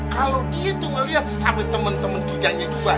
kalo dia tuh ngeliat sesama temen temen kijangnya juga